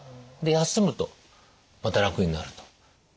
で休むとまた楽になると。